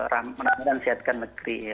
ramadan sihatkan negeri